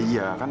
ya aku juga